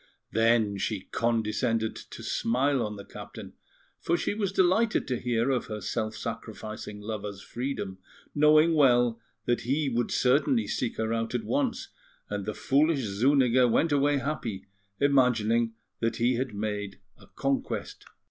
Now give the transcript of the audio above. Then she condescended to smile on the captain, for she was delighted to hear of her self sacrificing lover's freedom, knowing well that he would certainly seek her out at once; and the foolish Zuniga went away happy, imagining that he had made a conquest.